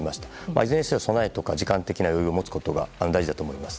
いずれにしても備えや時間的な余裕を持つことが大事だと思います。